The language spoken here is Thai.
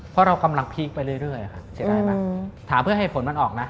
เพราะเรากำลังพีคไปเรื่อยเสียดายป่ะถามเพื่อให้ผลมันออกนะ